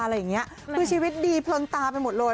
อะไรอย่างนี้คือชีวิตดีเพลินตาไปหมดเลย